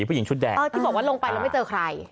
ผู้หญิงชุดแดงเออที่บอกว่าลงไปแล้วไม่เจอใคร